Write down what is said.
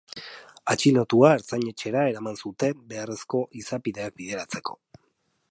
Atxilotua ertzain-etxera eraman zute beharrezko izapideak bideratzeko.